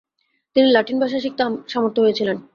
তিনি লাতিন ভাষা শিখতে সামর্থ হয়েছিলেন।